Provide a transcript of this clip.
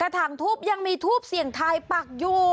กระถางทูบยังมีทูบเสียงทายปากอยู่